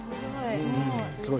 すごい。